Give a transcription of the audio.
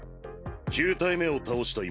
９体目を倒した